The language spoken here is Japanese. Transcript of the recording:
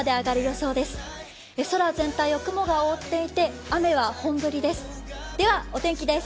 空全体を雲が覆っていて、雨は本降りです。